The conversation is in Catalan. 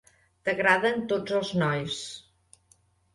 T'agraden tots els nois.